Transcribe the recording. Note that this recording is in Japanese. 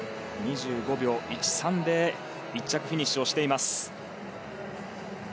２５秒１３で１着フィニッシュしています。